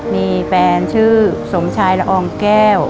มีแฟนชื่อสมชายละอองแก้ว